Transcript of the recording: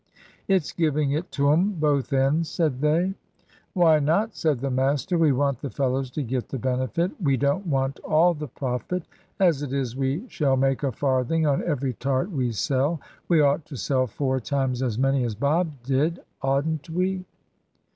"It's giving it to 'em both ends," said they. "Why not?" said the master. "We want the fellows to get the benefit. We don't want all the profit. As it is, we shall make a farthing on every tart we sell. We ought to sell four times as many as Bob did, oughtn't we?"